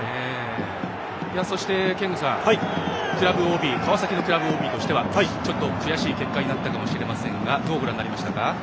そして憲剛さん川崎のクラブＯＢとしてはちょっと悔しい結果になったかもしれませんがどうご覧になりましたか。